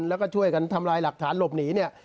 แล้วก็ช่วยกันทำลายหลักฐานหลบหนีเนี่ย